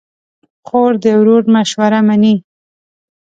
خور د ورور مشوره منې.